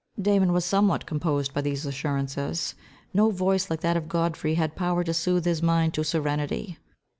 Damon was somewhat composed by these assurances. No voice like that of Godfrey had power to sooth his mind to serenity.